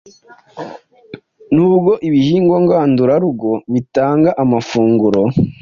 N’ubwo ibihingwa ngandurarugo bitanga amafunguro,